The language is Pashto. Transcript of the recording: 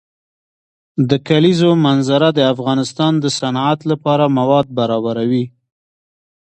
د کلیزو منظره د افغانستان د صنعت لپاره مواد برابروي.